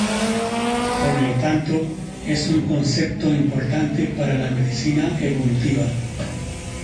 Por lo tanto es un concepto importante para la medicina evolutiva.